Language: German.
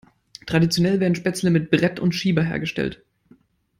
Traditionell werden Spätzle mit Brett und Schieber hergestellt.